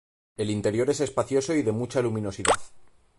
El interior es espacioso y de mucha luminosidad.